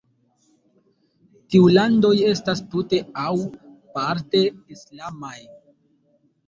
Tiu landoj estas tute aŭ parte islamaj.